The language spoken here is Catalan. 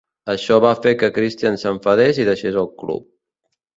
Això va fer que Christian s'enfadés i deixés el club.